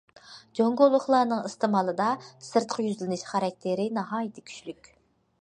جۇڭگولۇقلارنىڭ ئىستېمالىدا سىرتقا يۈزلىنىش خاراكتېرى ناھايىتى كۈچلۈك.